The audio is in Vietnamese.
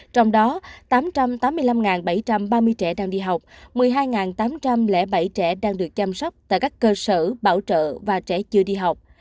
trong đó tám trăm tám mươi năm bảy trăm ba mươi trẻ đang đi học một mươi hai tám trăm linh bảy trẻ đang được chăm sóc tại các cơ sở bảo trợ và trẻ chưa đi học